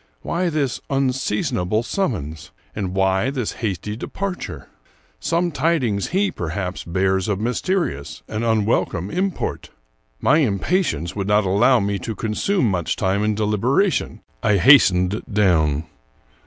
Why this unseasonable summons ? and why this hasty de parture? Some tidings he, perhaps, bears of mysterious and unwelcome import. My impatience would not allow me to consume much time in deliberation; I hastened down.